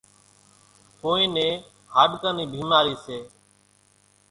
ڪونئين نين هاڏڪان نِي ڀيمارِي سي۔